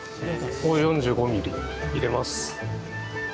４５ミリ入れます。